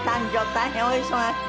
大変お忙しい。